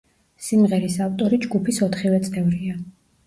სიმღერის ავტორი ჯგუფის ოთხივე წევრია.